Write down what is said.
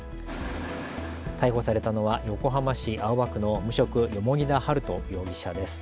逮捕されたのは横浜市青葉区の無職、蓬田治都容疑者です。